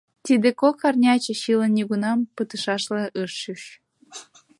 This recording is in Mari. Тиде кок арня Чачилан нигунам пытышашла ыш чуч.